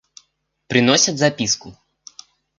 Приносят записку.